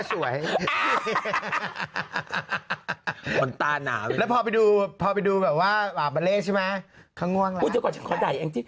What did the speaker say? สวยมันตาหนาแล้วพอไปดูพอไปดูแบบว่าหวาบเบลชใช่ไหมเขาง่วงแล้ว